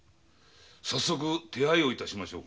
早速手配をいたしましょう。